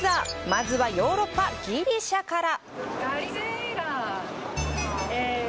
まずはヨーロッパ、ギリシャから。